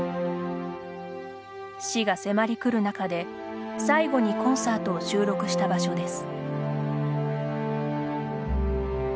死が迫り来る中で最後にコンサートを収録した場所です。